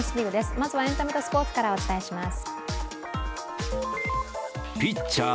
まずはエンタメとスポーツからお伝えします。